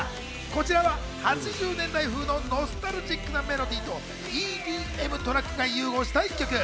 こちらは８０年代風のノスタルジックなメロディーとＥＤＭトラックが融合した一曲。